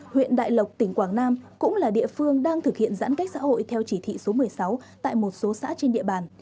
huyện đại lộc tỉnh quảng nam cũng là địa phương đang thực hiện giãn cách xã hội theo chỉ thị số một mươi sáu tại một số xã trên địa bàn